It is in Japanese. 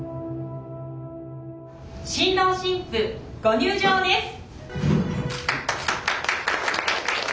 「新郎新婦ご入場です」。